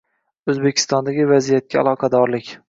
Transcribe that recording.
O'zgekistondagi vazijatga aloqadorlik